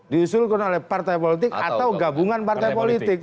diusulkan oleh partai politik atau gabungan partai politik